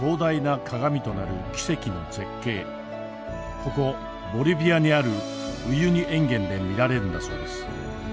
ここボリビアにあるウユニ塩原で見られるんだそうです。